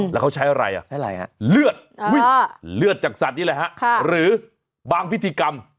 แล้วเขาใช้อะไรฮะเลือดเลือดจากสัตว์นี่แหละฮะหรือบางพิธีกรรม